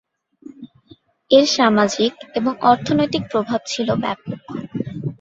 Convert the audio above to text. এর সামাজিক এবং অর্থনৈতিক প্রভাব ছিল ব্যপক।